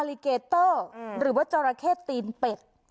อลลิเกตเตอร์หรือว่าจอร์ราเคสตีนเป็ด